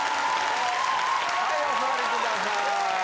はいお座りください。